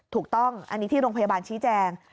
ถูกต้องอันนี้ที่โรงพยาบาลชี้แจง